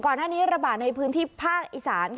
ก่อนหน้านี้ระบาดในพื้นที่ภาคอีสาน